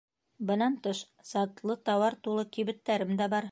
Бынан тыш, затлы тауар тулы кибеттәрем да бар.